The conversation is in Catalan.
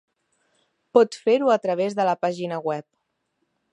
Pot fer-ho a través de la pàgina web.